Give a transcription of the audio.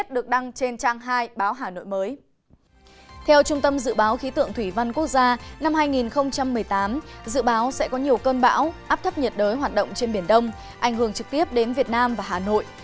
theo trung tâm dự báo khí tượng thủy văn quốc gia năm hai nghìn một mươi tám dự báo sẽ có nhiều cơn bão áp thấp nhiệt đới hoạt động trên biển đông ảnh hưởng trực tiếp đến việt nam và hà nội